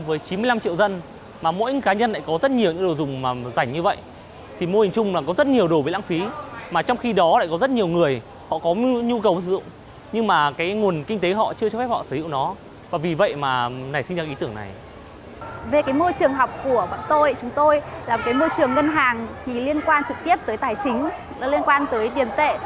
về môi trường học của bọn tôi chúng tôi là một môi trường ngân hàng liên quan trực tiếp tới tài chính liên quan tới tiền tệ